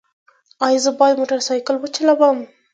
ایا زه باید موټر سایکل وچلوم؟